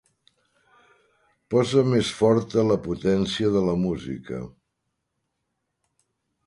Posa més forta la potència de la música.